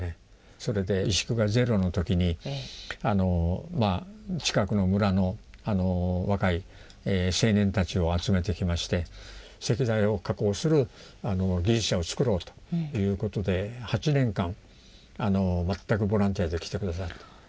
それで石工がゼロの時に近くの村の若い青年たちを集めてきまして石材を加工する技術者をつくろうということで８年間全くボランティアで来て下さった。